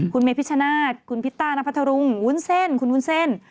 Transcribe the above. คุณเมพิชชนาธิ์คุณพิตต้านพัทธรุงวุ้นเส้นคุณวุ้นเส้น